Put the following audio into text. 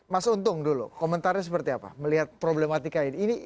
mas untung dulu komentarnya seperti apa melihat problematika ini